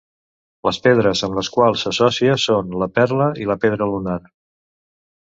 Les pedres amb les quals s'associa són la perla i la pedra lunar.